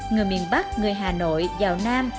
người miền bắc người hà nội giàu nam